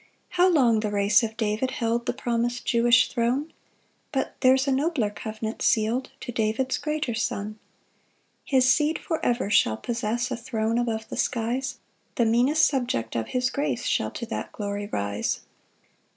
3 How long the race of David held The promis'd Jewish throne! But there's a nobler covenant seal'd To David's greater Son. 4 His seed for ever shall possess A throne above the skies; The meanest subject of his grace Shall to that glory rise.